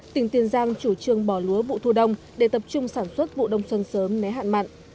tỉnh tiền giang chủ trương bỏ lúa vụ thu đông để tập trung sản xuất vụ đông xuân sớm né hạn mặn